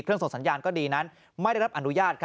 ส่งสัญญาณก็ดีนั้นไม่ได้รับอนุญาต